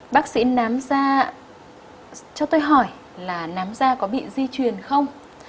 bác sĩ nám ra cho tôi hỏi là nám da có bị di truyền không